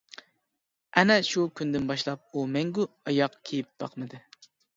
ئەنە شۇ كۈندىن باشلاپ ئۇ مەڭگۈ ئاياق كىيىپ باقمىدى.